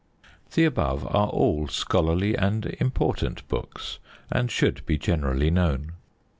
The above are all scholarly and important books, and should be generally known.